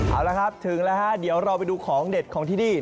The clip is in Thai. เอาละครับถึงแล้วฮะเดี๋ยวเราไปดูของเด็ดของที่นี่